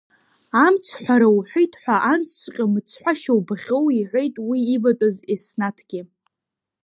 Амцҳәара уҳәеит ҳәа, ансҵәҟьа мыцҳәашьа убахьоу иҳәеит уи иватәаз Еснаҭгьы.